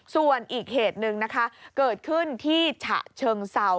ส่วนอีกเหตุหนึ่งนะคะเกิดขึ้นที่ฉะเชิงเศร้า